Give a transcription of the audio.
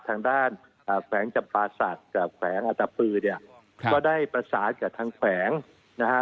ทางด้านแขวงจำปาศักดิ์กับแขวงอัตปือเนี่ยก็ได้ประสานกับทางแขวงนะฮะ